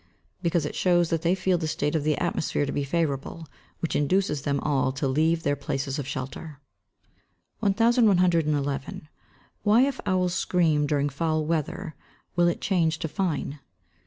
_ Because it shows that they feel the state of the atmosphere to be favourable, which induces them all to leave their places of shelter. 1111. _Why if owls scream during foul weather, will it change to fine?